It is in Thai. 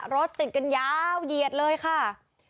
รถติดกันยาวเหยียดเลยค่ะ